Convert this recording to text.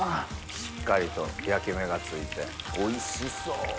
しっかりと焼き目がついておいしそう。